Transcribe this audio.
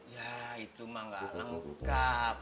ya itu mah gak lengkap